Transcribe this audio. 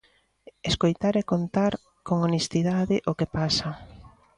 Escoitar e contar con honestidade o que pasa.